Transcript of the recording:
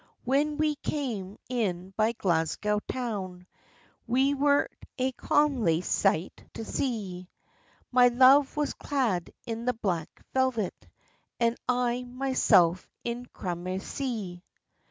When we came in by Glasgow toun We were a comely sicht to see; My love was clad in the black velvet, And I mysel in cramasie.